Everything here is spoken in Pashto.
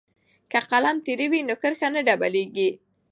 که قلم تیره وي نو کرښه نه ډبلیږي.